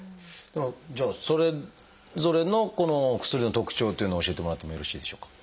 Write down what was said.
じゃあそれぞれのこのお薬の特徴っていうのを教えてもらってもよろしいでしょうか？